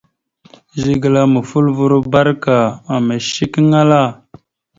Zigəla mofoləvoro barəka ameshekeŋala.